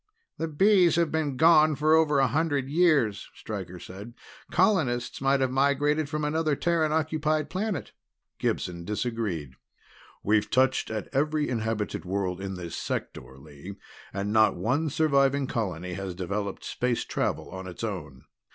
"The Bees have been gone for over a hundred years," Stryker said. "Colonists might have migrated from another Terran occupied planet." Gibson disagreed. "We've touched at every inhabited world in this sector, Lee, and not one surviving colony has developed space travel on its own.